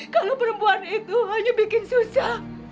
kalau perempuan itu hanya bikin susah